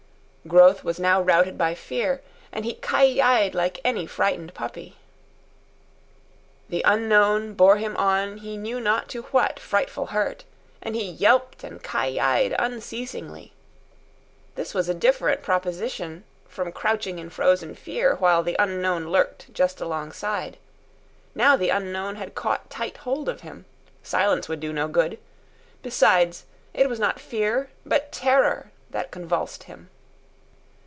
Growth was now routed by fear, and he ki yi'd like any frightened puppy. The unknown bore him on he knew not to what frightful hurt, and he yelped and ki yi'd unceasingly. This was a different proposition from crouching in frozen fear while the unknown lurked just alongside. Now the unknown had caught tight hold of him. Silence would do no good. Besides, it was not fear, but terror, that convulsed him.